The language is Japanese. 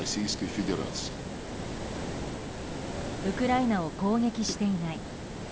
ウクライナを攻撃していない。